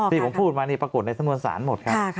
ที่ผมพูดมาปรากฏในสะนวนสารหมด